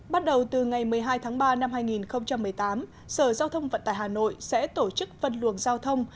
bắt đầu từ ngày một mươi hai tháng ba năm hai nghìn một mươi tám sở giao thông vận tải hà nội sẽ tổ chức phân luồng giao thông